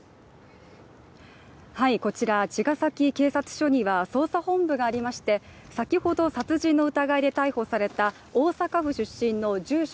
こちら、茅ヶ崎警察署には捜査本部がありまして先ほど殺人の疑いで逮捕された大阪府出身の住所